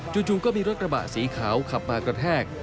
จู่ก็มีรถกระบะสีขาวขับมากระแทก